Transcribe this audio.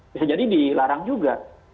bisa jadi dilarang juga